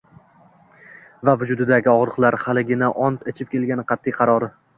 Va vujudidagi og‘riqlar, haligina ont ichib kelgan qat’i qarori